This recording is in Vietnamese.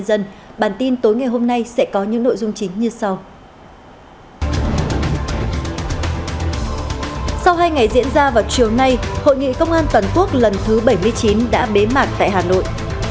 sau hai ngày diễn ra vào chiều nay hội nghị công an toàn quốc lần thứ bảy mươi chín đã bế mạc tại hà nội